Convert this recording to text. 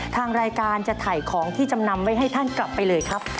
ทางรายการจะถ่ายของที่จำนำไว้ให้ท่านกลับไปเลยครับ